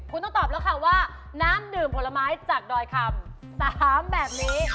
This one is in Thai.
คุณต้องตอบแล้วค่ะว่าน้ำดื่มผลไม้จากดอยคำ๓แบบนี้